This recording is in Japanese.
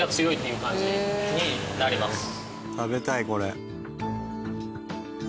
食べたいこれ。